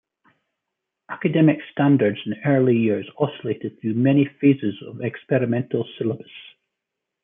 Academic standards in the early years oscillated through many phases of experimental syllabus.